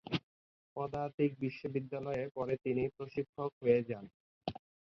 পদাতিক বিদ্যালয়ে পরে তিনি প্রশিক্ষক হয়ে যান।